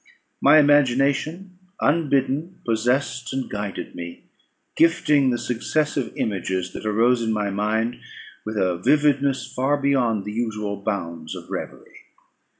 My imagination, unbidden, possessed and guided me, gifting the successive images that arose in my mind with a vividness far beyond the usual bounds of reverie.